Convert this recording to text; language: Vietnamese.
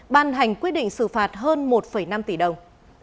ban hành quyết định xử phạt hơn một năm tỷ đồng